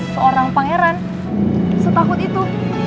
seorang pangeran setakut itu